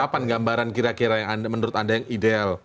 kapan gambaran kira kira yang menurut anda yang ideal